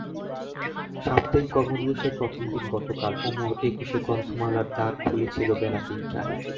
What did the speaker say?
সাপ্তাহিক কর্মদিবসের প্রথম দিন গতকাল অমর একুশে গ্রন্থমেলার দ্বার খুলেছিল বেলা তিনটায়।